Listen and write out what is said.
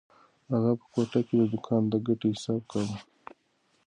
اغا په کوټه کې د دوکان د ګټې حساب کاوه.